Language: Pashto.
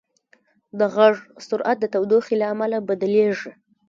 د غږ سرعت د تودوخې له امله بدلېږي.